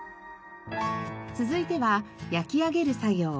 続いては焼き上げる作業。